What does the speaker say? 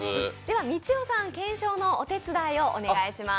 みちおさん、検証のお手伝いをお願いします。